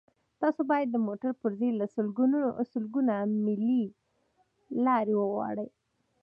تاسو باید د موټر پرزې له سلګونه میله لرې وغواړئ